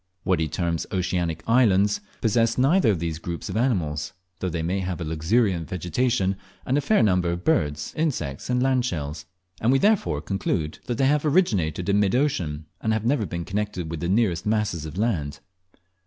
What he terms "oceanic islands" possess neither of these groups of animals, though they may have a luxuriant vegetation, and a fair number of birds, insects, and landshells; and we therefore conclude that they have originated in mid ocean, and have never been connected with the nearest masses of land.